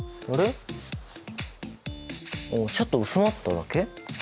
あちょっと薄まっただけ？